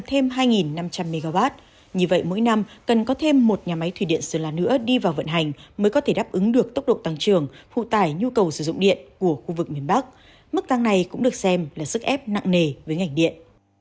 nhiều cầu sử dụng điện sẽ cần thêm hai năm trăm linh mw như vậy mỗi năm cần có thêm một nhà máy thủy điện xưa là nữa đi vào vận hành mới có thể đáp ứng được tốc độ tăng trưởng phụ tải nhu cầu sử dụng điện của khu vực miền bắc mức tăng này cũng được xem là sức ép nặng nề với ngành điện